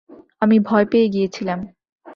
আমি ভয় পেয়ে গিয়েছিলাম।